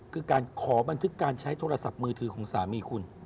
คือการขอบันทึกการใช้โทรศัพท์มือถือของสามีคุณ